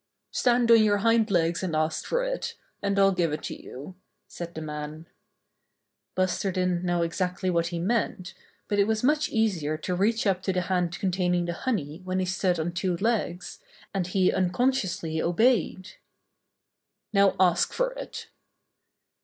"Stand on your hind legs and ask for it, and I'll give it to you," said the man. Buster didn't know exactly what he meant, but it was much easier to reach up to the hand 34 Buster the Bear containing the honey when he stood on tw^o legs, and he unconsciously obeyed. "Now ask for it."